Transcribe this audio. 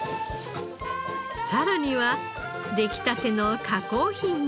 さらには出来たての加工品も。